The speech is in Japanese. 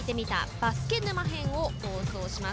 バスケ沼編を放送します。